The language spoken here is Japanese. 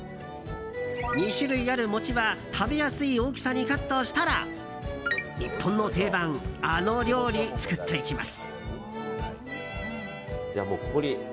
２種類ある餅は食べやすい大きさにカットしたら日本の定番、あの料理作っていきます。